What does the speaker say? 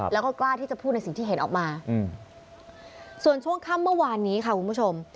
แล้วก็กล้าที่จะพูดในสิ่งที่เห็นออกมาส่วนช่วงค่ำเมื่อวานนี้ค่ะคุณผู้ชม